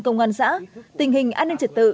công an xã tình hình an ninh trật tự